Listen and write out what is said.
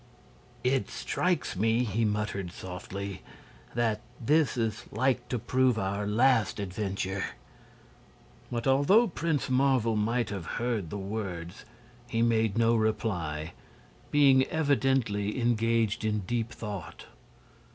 "It strikes me," he muttered, softly, "that this is like to prove our last adventure." But although Prince Marvel might have heard the words he made no reply, being evidently engaged in deep thought.